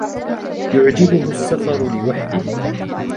يعجبه السفر لوحده.